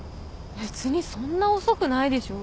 別にそんな遅くないでしょ。